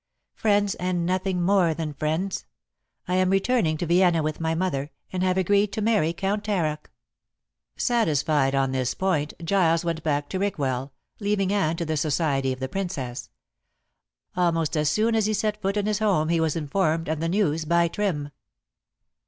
"Friends, and nothing more than friends. I am returning to Vienna with my mother, and have agreed to marry Count Taroc." Satisfied on this point, Giles went back to Rickwell, leaving Anne to the society of the Princess. Almost as soon as he set foot in his home he was informed of the news by Trim.